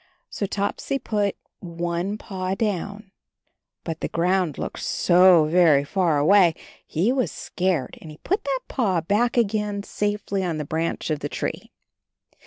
So Topsy put one paw down. But the ground looked so very far away, he was scared, and put his paw back again safely 70 CHARLIE on the brancb of the tree.